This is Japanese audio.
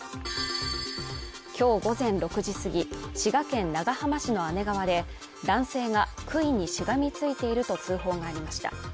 今日午前６時すぎ、滋賀県長浜市の姉川で男性がくいにしがみついていると通報がありました。